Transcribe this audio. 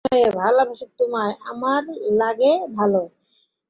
ও মেয়ে, ভালোবাসি তোমায় আমার লাগে ভালো।